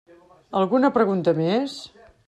Alguna pregunta més?